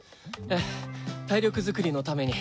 ええ体力づくりのために。